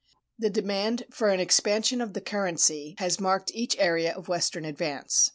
The demand for an expansion of the currency has marked each area of Western advance.